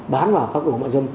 bán vào các đội ngoại dân